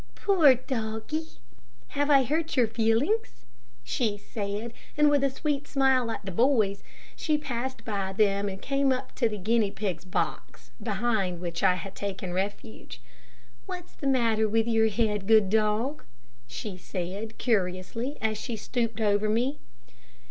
"Poor doggie, have I hurt your feelings?" she said, and with a sweet smile at the boys, she passed by them and came up to the guinea pig's box, behind which I had taken refuge. "What is the matter with your head, good dog?" she said, curiously, as she stooped over me.